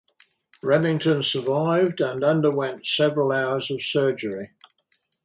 Remington survived and underwent several hours of surgery.